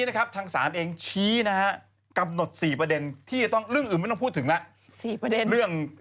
ขณะตอนอยู่ในสารนั้นไม่ได้พูดคุยกับครูปรีชาเลย